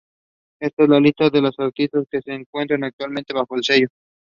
He was also promoted to the rank of captain.